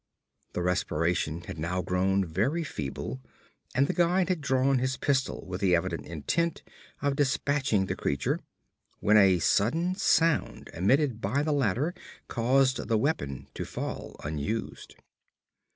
The respiration had now grown very feeble, and the guide had drawn his pistol with the evident intent of despatching the creature, when a sudden sound emitted by the latter caused the weapon to fall unused.